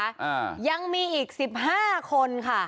อ่ายังมีอีก๑๕คนค่ะ